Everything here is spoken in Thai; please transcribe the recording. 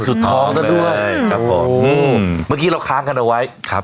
สุดท้องซะด้วยใช่ครับผมอืมเมื่อกี้เราค้างกันเอาไว้ครับ